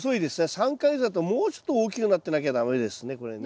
３か月だともうちょっと大きくなってなきゃ駄目ですねこれね。